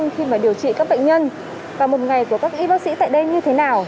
khi mà điều trị các bệnh nhân và một ngày của các y bác sĩ tại đây như thế nào